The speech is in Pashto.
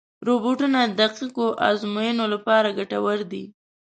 روبوټونه د دقیقو ازموینو لپاره ګټور دي.